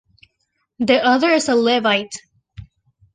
The other is a Levite.